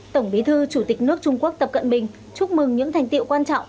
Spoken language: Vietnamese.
tổng bí thư chủ tịch nước trung quốc tập cận bình chúc mừng những thành tiệu quan trọng